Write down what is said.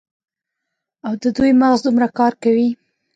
او د دوي مغـز دومـره کـار کـوي.